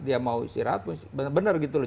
dia mau istirahat benar gitu loh